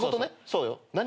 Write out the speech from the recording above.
そうよ。